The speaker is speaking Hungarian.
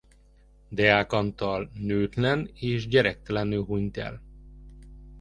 Deák Antal nőtlen és gyermektelenül hunyt el.